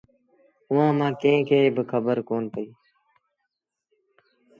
اُئآݩٚ مآݩٚ ڪݩهݩ کي با کبر ڪون پئيٚ